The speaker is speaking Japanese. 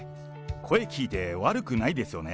声聞いて、悪くないですよね。